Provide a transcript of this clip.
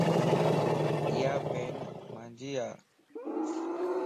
ايا پين مانجي ا